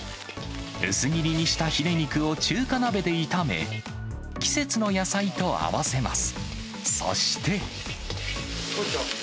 薄切りにしたヒレ肉を中華鍋で炒め、季節の野菜と合わせます。